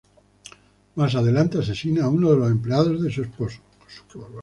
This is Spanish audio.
Más adelante asesina a uno de los empleados de su esposo.